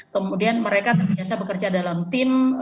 kemudian mereka terbiasa bekerja dalam tim